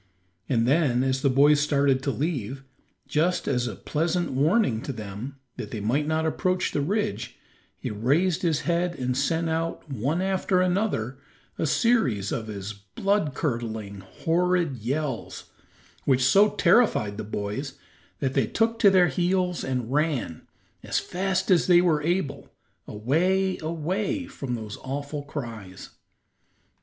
And then as the boys started to leave, just as a pleasant warning to them, that they might not approach the ridge, he raised his head and sent out, one after another, a series of his blood curdling, horrid yells, which so terrified the boys that they took to their heels and ran, as fast as they were able, away, away from those awful cries.